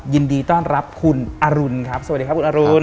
ยินดีต้อนรับคุณอรุณครับสวัสดีครับคุณอรุณ